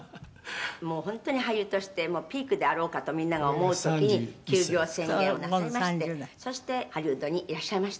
「本当に俳優としてピークであろうかとみんなが思う時に休業宣言をなさいましてそしてハリウッドにいらっしゃいました」